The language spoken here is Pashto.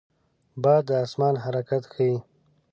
باد د آسمان حرکت ښيي